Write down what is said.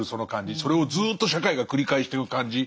それをずっと社会が繰り返してく感じ。